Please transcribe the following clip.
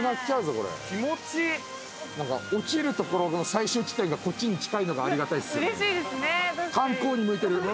落ちるところの最終地点がこっちに近いのがありがたいっすよね。